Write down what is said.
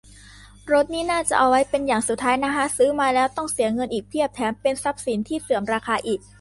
รถนี่น่าจะเอาไว้เป็นอย่างสุดท้ายนะฮะ ซื้อมาแล้วต้องเสียเงินอีกเพียบ แถมเป็นทรัพย์สินที่เสื่อมราคาอีก